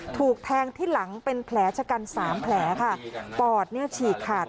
ถูกแทงที่หลังเป็นแผลชะกันสามแผลค่ะปอดเนี่ยฉีกขาด